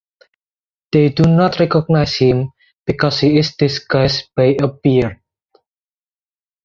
They do not recognize him because he is disguised by a beard.